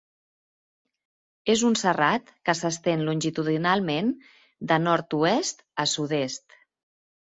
És un serrat que s'estén longitudinalment de nord-oest a sud-est.